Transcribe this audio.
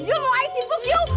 you mau ay tipuk you